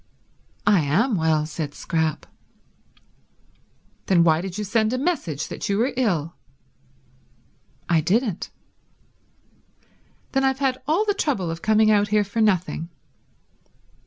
"I am well," said Scrap. "Then why did you send a message that you were ill?" "I didn't." "Then I've had all the trouble of coming out here for nothing."